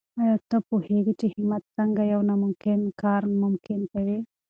آیا ته پوهېږې چې همت څنګه یو ناممکن کار ممکن کوي؟